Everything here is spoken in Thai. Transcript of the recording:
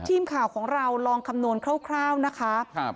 ทีมข่าวของเราลองคำนวณคร่าวนะคะครับ